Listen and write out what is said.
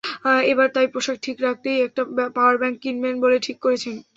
এবার তাই পোশাক ঠিক রাখতেই একটা পাওয়ার ব্যাংক কিনবেন বলে ঠিক করেছেন।